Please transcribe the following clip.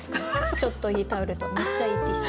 「ちょっといいタオル」と「めっちゃいいティッシュ」。